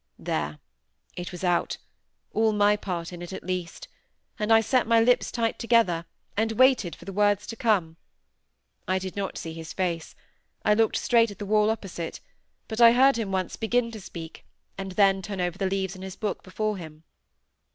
There! it was out; all my part in it, at least; and I set my lips tight together, and waited for the words to come. I did not see his face; I looked straight at the wall opposite; but I heard him once begin to speak, and then turn over the leaves in the book before him.